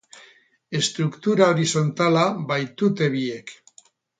Estruktura horizontala baitute biek.